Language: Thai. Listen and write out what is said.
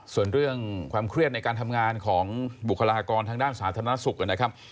ส่วนเรื่องความเครียดในการทำงานของบุคลากรทางด้านสาธารณสุขนะครับ